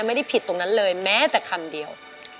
ไม่ได้ผิดตรงนั้นเลยแม้แต่คำเดียว